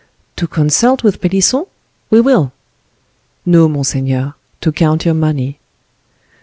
"To consult with Pelisson?—we will." "No, monseigneur, to count your money."